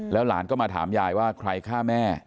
หลานก็มาถามยายว่าใครฆ่าแม่